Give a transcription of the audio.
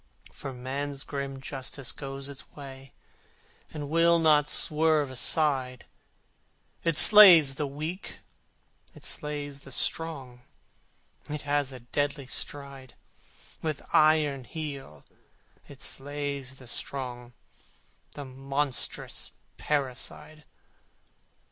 For Man's grim Justice goes its way And will not swerve aside: It slays the weak, it slays the strong, It has a deadly stride: With iron heel it slays the strong The monstrous parricide!